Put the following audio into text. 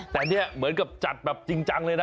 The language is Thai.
แต่เนี่ยเหมือนกับจัดแบบจริงจังเลยนะ